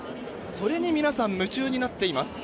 それに皆さん、夢中になっています。